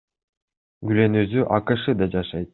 Гүлен өзү АКШда жашайт.